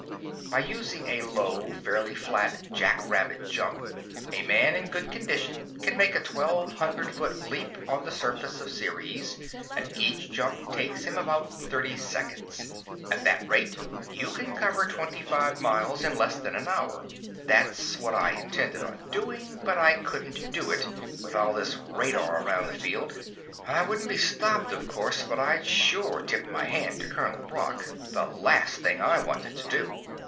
By using a low, fairly flat, jackrabbit jump, a man in good condition can make a twelve hundred foot leap on the surface of Ceres, and each jump takes him about thirty seconds. At that rate, you can cover twenty five miles in less than an hour. That's what I'd intended on doing, but I couldn't do it with all this radar around the field. I wouldn't be stopped, of course, but I'd sure tip my hand to Colonel Brock the last thing I wanted to do.